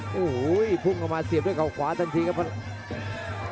โอ้โหพุ่งออกมาเสียบด้วยเก่าขวาทันทีครับพลังเพชร